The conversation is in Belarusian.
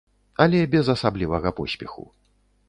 Але без асаблівага поспеху.